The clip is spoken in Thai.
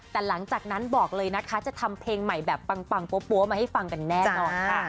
แต่หลังจากนั้นบอกเลยนะคะจะทำเพลงใหม่แบบปังปั๊วมาให้ฟังกันแน่นอนค่ะ